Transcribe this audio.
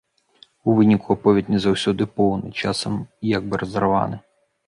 У выніку аповед не заўсёды поўны, часам як бы разарваны.